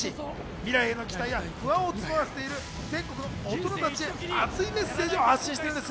未来への期待や不安を募らせている全国の大人たちへ熱いメッセージを発信しています。